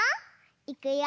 いくよ！